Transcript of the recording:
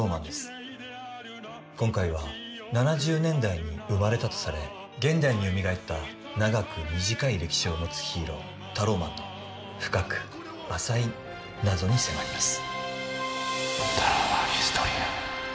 今回は７０年代に生まれたとされ現代によみがえった長く短い歴史を持つヒーロータローマンの深く浅い謎に迫ります。